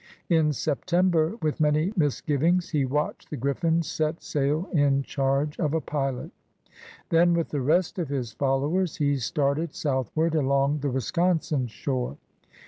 In September, with many misgivings, he watched the GHffin set sail in charge of a pilot. Then, with the rest of his followers he started southward along the Wisconsin shore.